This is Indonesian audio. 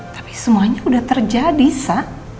tapi semuanya sudah terjadi sa